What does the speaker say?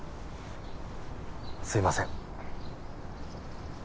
すいません。